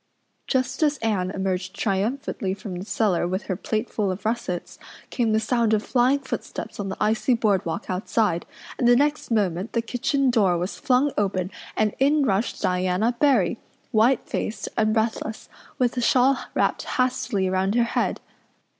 Just as Anne emerged triumphantly from the cellar with her plateful of russets came the sound of flying footsteps on the icy board walk outside and the next moment the kitchen door was flung open and in rushed Diana Barry, white faced and breathless, with a shawl wrapped hastily around her head.